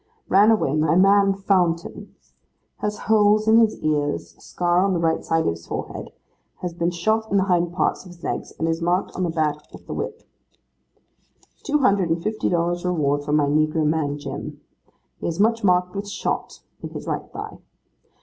'Ran away, my man Fountain. Has holes in his ears, a scar on the right side of his forehead, has been shot in the hind part of his legs, and is marked on the back with the whip.' 'Two hundred and fifty dollars reward for my negro man Jim. He is much marked with shot in his right thigh.